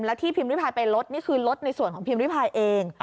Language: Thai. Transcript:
แล้วที่พิมพ์ริพายไปลดนี่คือลดในส่วนของพิมพ์ริพายเอง